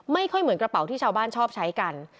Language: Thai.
ไม่ค่อยเหมือนกระเป๋าที่ชาวบ้านชอบใช้กัน